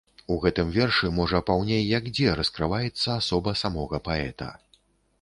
У гэтым вершы, можа, паўней як дзе раскрываецца асоба самога паэта.